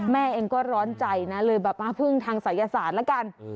แม่เองก็ร้อนใจนะเลยแบบมาพึ่งทางศัยศาสตร์ละกัน